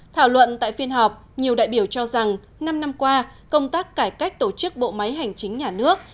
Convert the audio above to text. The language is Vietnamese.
thảo luận tại phiên họp nhiều đại biểu cho rằng năm năm qua công tác cải cách tổ chức bộ máy hành chính nhà nước